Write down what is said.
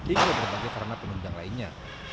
hingga berbagai sarana penunjang lainnya